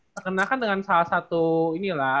terkenalkan dengan salah satu ini lah